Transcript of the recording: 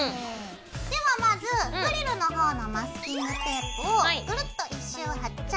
ではまずフリルの方のマスキングテープをグルッと１周貼っちゃいます。